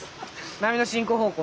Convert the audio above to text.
波の進行方向